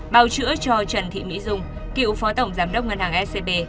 bào chữa cho trần thị mỹ dung cựu phó tổng giám đốc ngân hàng scb